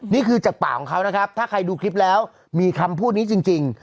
นี่คือจากปากของเขานะครับถ้าใครดูคลิปแล้วมีคำพูดนี้จริง